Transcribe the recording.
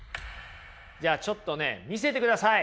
じゃあちょっとね見せてください。